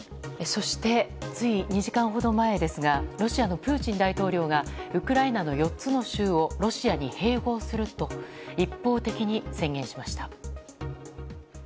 そして、つい２時間ほど前ですがロシアのプーチン大統領がウクライナの４つの州をロシアに併合すると一方的に宣言しました。